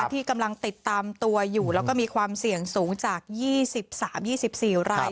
ที่กำลังติดตามตัวอยู่แล้วก็มีความเสี่ยงสูงจาก๒๓๒๔ราย